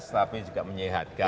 tapi juga menyehatkan